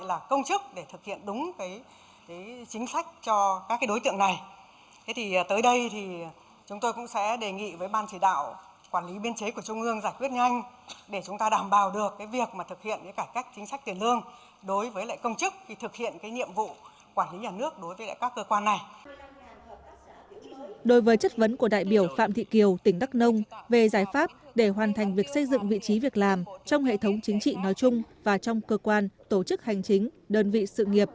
trong hệ thống chính trị nói chung và trong cơ quan tổ chức hành chính đơn vị tổ chức tổ chức tổ chức tổ chức tổ chức tổ chức tổ chức tổ chức